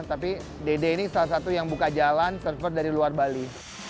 tapi dede ini salah satu yang buka jalan server dari luar bali